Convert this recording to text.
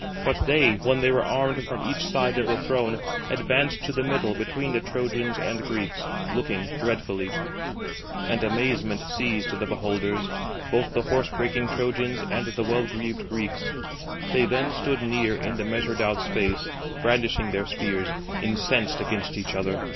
But they, when they were armed from each side of the throng, advanced to the middle between the Trojans and Greeks, looking dreadfully; and amazement seized the beholders, both the horse breaking Trojans and the well greaved Greeks. They then stood near in the measured out space, brandishing their spears, incensed against each other.